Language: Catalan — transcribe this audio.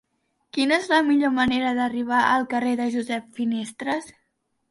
Quina és la millor manera d'arribar al carrer de Josep Finestres?